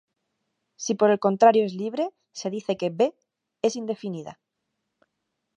Si por el contrario es libre, se dice que "B" es indefinida.